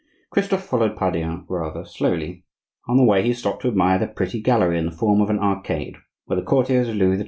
Christophe followed Pardaillan rather slowly. On the way he stopped to admire the pretty gallery in the form of an arcade, where the courtiers of Louis XII.